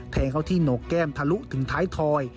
แทงเขาที่หนกแก้มทะลุถึงท้ายทอย